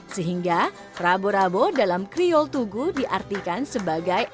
sehingga rabo rabo dalam kriol tugu diartikan sebagai